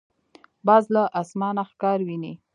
باز له اسمانه ښکار ویني.